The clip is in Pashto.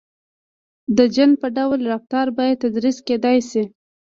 • د جن په ډول رفتار باید تدریس کېدای.